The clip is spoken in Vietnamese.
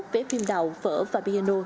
vé phim đào phở và piano